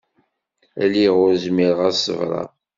Lliɣ ur zmireɣ ad ṣebreɣ.